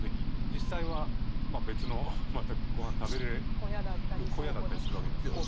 実際はまあ別の全くごはん食べれ小屋だったりするわけじゃないですか。